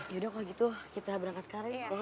yaudah kalau gitu kita berangkat sekarang